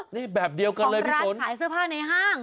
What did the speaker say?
นี่แบบเดียวกันเลยมีคนขายเสื้อผ้าในห้าง